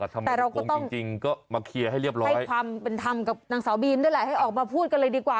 แต่เราก็ต้องให้ความเป็นธรรมกับนางสาวบีมด้วยแหละให้ออกมาพูดกันเลยดีกว่า